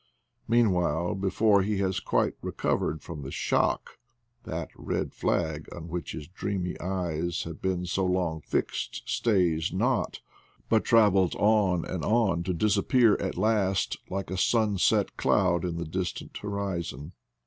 Mean while, before he has quite recovered from the shock, that red flag on which his dreamy eyes have been so long fixed stays not, but travels on and on to disappear at last like a sunset cloud in the distant horizon.